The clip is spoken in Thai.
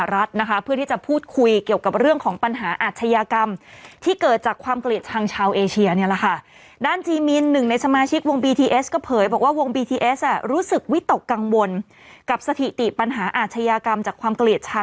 แล้วเหมือนกับไปปวดในกระเพาะอะไรด้วยก็ไม่รู้